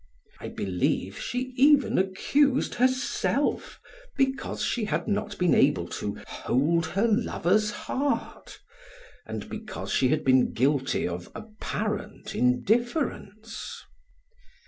I believe she even accused herself because she had not been able to hold her lover's heart, and because she had been guilty of apparent indifference.